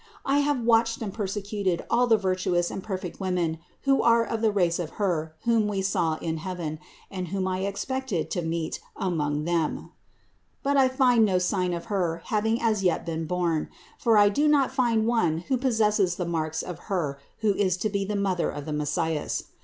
I have watched and persecuted all the virtuous and perfect women who are of the race of Her whom we saw in heaven, and whom I expected to meet among them. But I find no sign of her having as yet been born; for I do not find one who possesses the marks of 260 CITY OF GOD Her who is to be the Mother of the Messias.